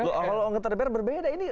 kalau anggota dpr berbeda ini